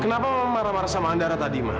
kenapa mama marah marah sama andara tadi ma